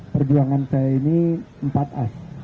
perjuangan saya ini empat a